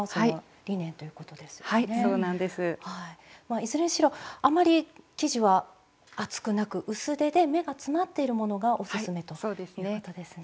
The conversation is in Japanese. いずれにしろあまり生地は厚くなく薄手で目が詰まっているものがオススメということですね。